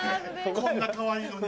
こんなかわいいのに。